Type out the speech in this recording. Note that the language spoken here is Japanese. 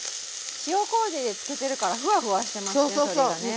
塩こうじでつけてるからふわふわしてますね鶏がね。